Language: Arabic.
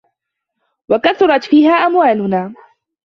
وَكَثُرَتْ فِيهَا أَمْوَالُنَا